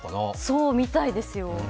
そうみたいですよ。